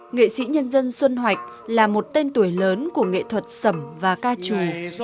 nghệ sĩ nhân dân xuân hoạch là một tên tuổi lớn của nghệ thuật sầm và ca trù